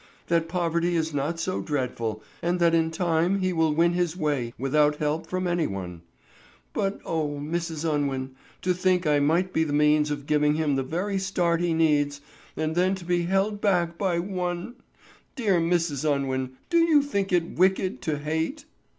"That poverty is not so dreadful, and that in time he will win his way without help from any one. But Oh, Mrs. Unwin, to think I might be the means of giving him the very start he needs, and then to be held back by one—Dear Mrs. Unwin, do you think it wicked to hate?"